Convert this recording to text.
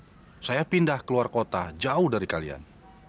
tujuh tahun saya pindah keluar kota jauh dari kalian